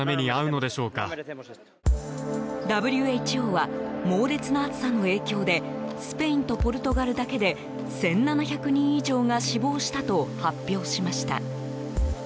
ＷＨＯは、猛烈な暑さの影響でスペインとポルトガルだけで１７００人以上が死亡したと発表しました。